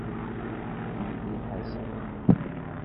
Yugi Ḥasan.